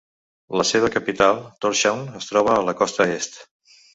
La seva capital, Tórshavn es troba a la costa est.